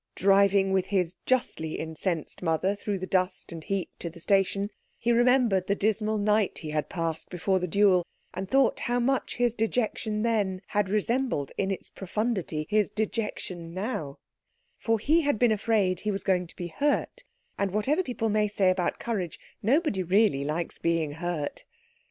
Driving with his justly incensed mother through the dust and heat to the station, he remembered the dismal night he had passed before the duel, and thought how much his dejection then had resembled in its profundity his dejection now; for he had been afraid he was going to be hurt, and whatever people may say about courage nobody really likes being hurt.